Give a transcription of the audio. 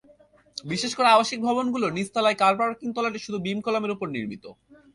বিশেষ করে আবাসিক ভবনগুলোর নিচতলার কার পার্কিং তলাটি শুধু বিম-কলামের ওপর নির্মিত।